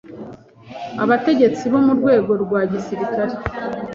abategetsi bo mu rwego rwa gisirikare